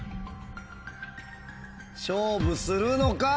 勝負するのか？